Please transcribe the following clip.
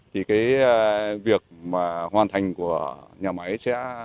thì việc hoàn thành của nhà máy sẽ